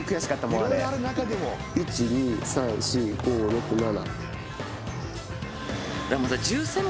１２３４５６７。